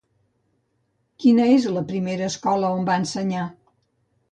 Quina és la primera escola on va ensenyar?